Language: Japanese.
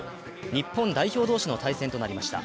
日本代表同士の対戦となりました。